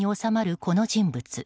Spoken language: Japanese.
この人物。